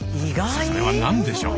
それは何でしょう？